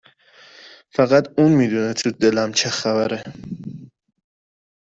فقط اون میدونه تو دلم چه خبره